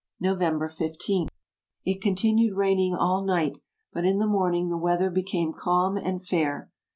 "November 15. — It continued raining all night, but in the morning the weather became calm and fair.